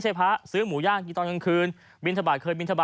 ใช้ภะมั้ยครองตามเดี๋ยว